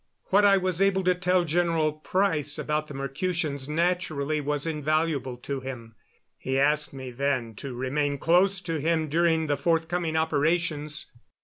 What I was able to tell General Price about the Mercutians naturally was invaluable to him. He asked me then to remain close to him during the forthcoming operations.